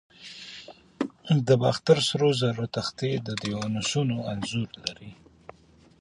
د باختر سرو زرو تختې د دیونوسوس انځور لري